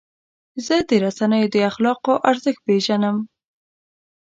زه د رسنیو د اخلاقو ارزښت پیژنم.